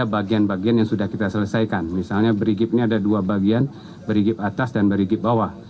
bagian bagian yang sudah kita selesaikan misalnya berigip ini ada dua bagian berigip atas dan berigip bawah